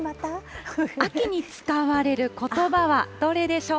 秋に使われることばはどれでしょう？